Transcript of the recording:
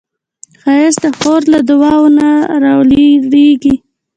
ښایست د خور له دعاوو نه راولاړیږي